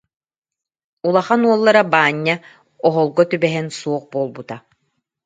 Улахан уоллара Баанньа оһолго түбэһэн суох буолбута